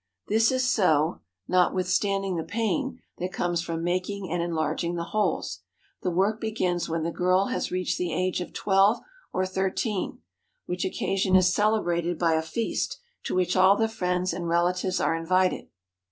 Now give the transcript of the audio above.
This is so, notwithstanding the pain that comes from making and enlarging the holes. The work begins when the girl has reached the age of twelve or thirteen, which occasion is celebrated by a feast to which all the friends and relatives are invited.